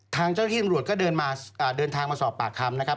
ทางเจ้าที่ตำรวจก็เดินทางมาสอบปากคำนะครับ